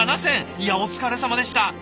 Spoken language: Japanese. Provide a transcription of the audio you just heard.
いやお疲れさまでした。